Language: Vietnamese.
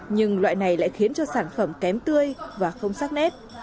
nhưng loại này lại khiến cho sản phẩm kém tươi và không sắc nét